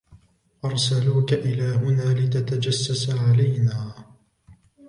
أرسلوك إلى هنا لتتجسس علينا!